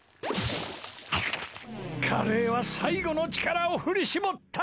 カレーは最後の力を振り絞った。